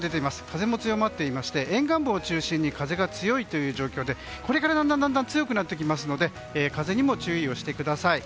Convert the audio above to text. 風も強まっていまして沿岸部を中心に風が強いという状況でこれからだんだん強くなってきますので風にも注意してください。